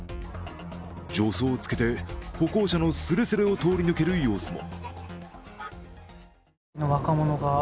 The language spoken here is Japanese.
助走をつけて歩行者のすれすれを通り抜ける様子も。